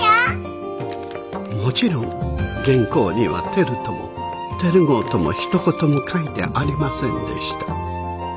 もちろん原稿にはテルともテル号ともひと言も書いてありませんでした。